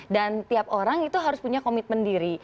dan tiap orang itu harus punya komitmen diri